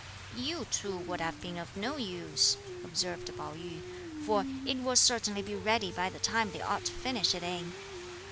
"You too would have been of no use," observed Pao yü, "for it will certainly be ready by the time they ought to finish it in."